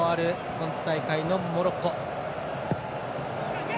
今大会のモロッコ。